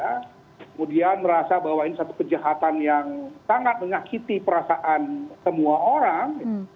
kemudian merasa bahwa ini satu kejahatan yang sangat menyakiti perasaan semua orang